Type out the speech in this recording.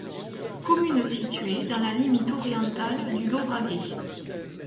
Commune située dans la limite orientale du Lauragais.